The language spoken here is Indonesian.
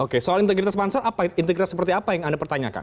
oke soal integritas pansel integritas seperti apa yang anda pertanyakan